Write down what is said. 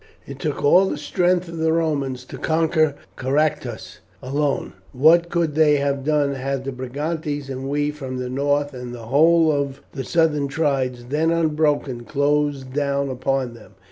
It took all the strength of the Romans to conquer Caractacus alone. What could they have done had the Brigantes and we from the north, and the whole of the southern tribes, then unbroken, closed down upon them?